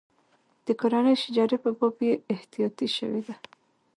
د کورنۍ شجرې په باب بې احتیاطي شوې ده.